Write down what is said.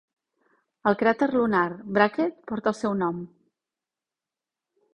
El cràter lunar Brackett porta el seu nom.